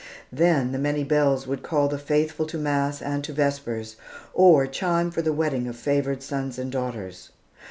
Then the many bells would call the faithful to mass, and to vespers, or chime for the wedding of favored sons and daughters.